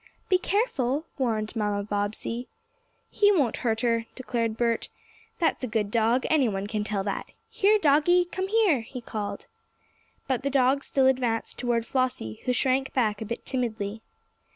"Be careful!" warned Mamma Bobbsey. "He won't hurt her!" declared Bert. "That's a good dog, anyone can tell that. Here, doggie; come here!" he called. But the dog still advanced toward Flossie, who shrank back a bit timidly.